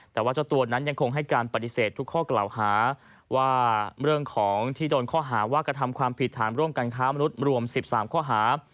แต่ว่าเจ้าตัวนั้นยังคงให้การปฏิเสธทุกข้อกล่าวหาว่าเรื่องของที่โดนข้อหาว่ากระทำความผิดฐานร่วมกันค้ามนุษย์รวม๑๓ข้อหา